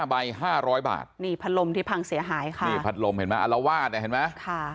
มี๕ใบ๕๐๐บาทนี่พัดลมที่พังเสียหายค่ะพัดลมเห็นมั้ยอัลวาสเห็นมั้ย